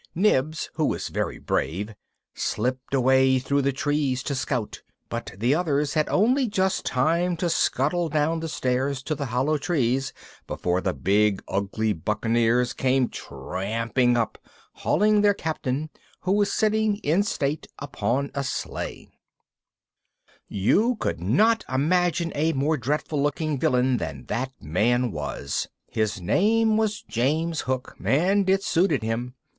Nibs, who was very brave, slipped away through the trees to scout, but the others had only just time to scuttle down the stairs in the hollow trees before the big ugly buccaneers came tramping up, hauling their captain, who was sitting in state upon a sledge. [Illustration: SLIGHTLY WAS DANCING MERRILY WITH AN OSTRICH.] You could not imagine a more dreadful looking villain than that man was. His name was James Hook, and it suited him!